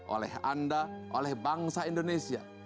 oleh anda oleh bangsa indonesia